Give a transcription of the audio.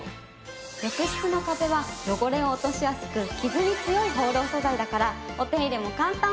浴室の壁は汚れを落としやすく傷に強いホーロー素材だからお手入れも簡単。